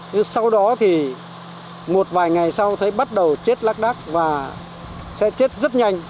nhưng sau đó thì một vài ngày sau thấy bắt đầu chết lắc đắc và sẽ chết rất nhanh